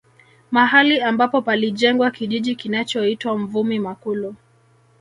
Mahali ambapo palijengwa kijiji kinachoitwa Mvumi Makulu